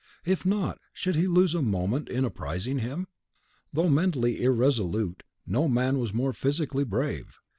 If not, should he lose a moment in apprising him? Though mentally irresolute, no man was more physically brave.